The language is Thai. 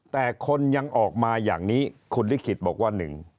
แต่คนยังออกมาอย่างนี้คุณลิขิตบอกว่า